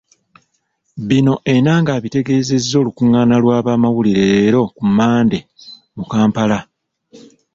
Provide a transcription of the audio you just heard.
Bino Enanga abitegeezezza olukungaana lwa bannamawulire leero ku Mmande mu Kampala.